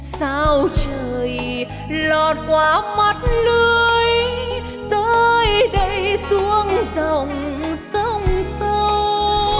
sao trời lọt qua mắt lưới rơi đầy xuống dòng sông sâu